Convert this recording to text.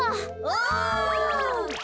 お！